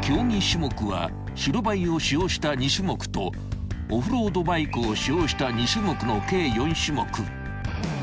［競技種目は白バイを使用した２種目とオフロードバイクを使用した２種目の計４種目］